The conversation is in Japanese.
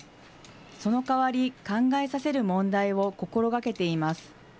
その代わり、考えさせる問題を心がけています。